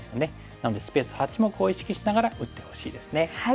なのでスペース８目を意識しながら打ってほしいですね。